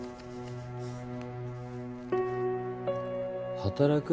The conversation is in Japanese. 働く？